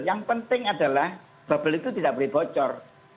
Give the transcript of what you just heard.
yang penting adalah bubble itu tidak boleh bocor